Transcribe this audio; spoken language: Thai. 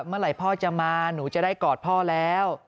เมื่อไหร่พ่อจะมาหนูจะได้กอดพ่อแล้ว